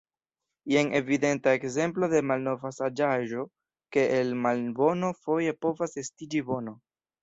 Jen evidenta ekzemplo de malnova saĝaĵo, ke el malbono foje povas estiĝi bono.